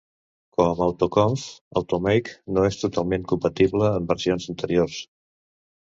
Com Autoconf, Automake no és totalment compatible amb versions anteriors.